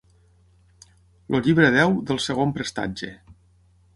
El llibre deu del segon prestatge.